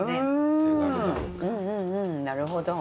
うんうんなるほど。